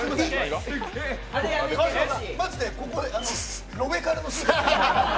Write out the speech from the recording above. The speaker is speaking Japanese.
マジでここでロベカルの。